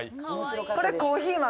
これコーヒー豆？